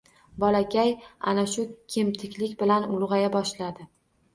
Bolakay ana shu kemtiklik bilan ulg`aya boshladi